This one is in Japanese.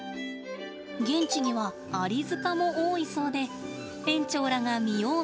現地にはアリ塚も多いそうで園長らが見よう